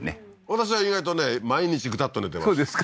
私は意外とね毎日グタッと寝てますそうですか